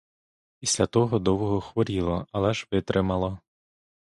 Після того довго хворіла, але ж витримала.